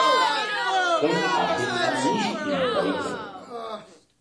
Kay apiqa mishkim kaykan.